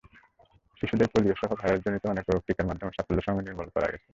শিশুদের পোলিওসহ ভাইরাসজনিত অনেক রোগ টিকার মাধ্যমে সাফল্যের সঙ্গে নির্মূল করা গেছে।